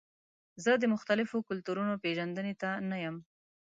زه د مختلفو کلتورونو پیژندنې ته نه یم.